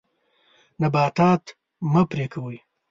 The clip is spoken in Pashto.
نباتات مه پرې کوئ.